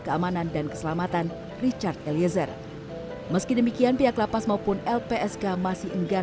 keamanan dan keselamatan richard eliezer meski demikian pihak lapas maupun lpsk masih enggan